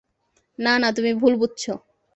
না, না তুমি ভুল বুঝছ।